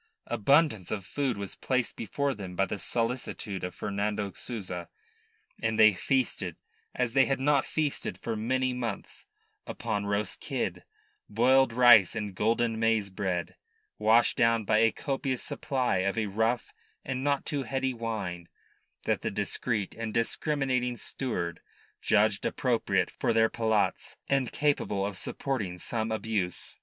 Abundance of food was placed before them by the solicitude of Fernando Souza, and they feasted, as they had not feasted for many months, upon roast kid, boiled rice and golden maize bread, washed down by a copious supply of a rough and not too heady wine that the discreet and discriminating steward judged appropriate to their palates and capable of supporting some abuse.